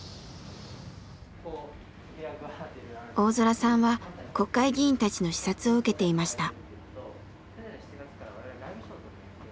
大空さんは国会議員たちの視察を受けていました。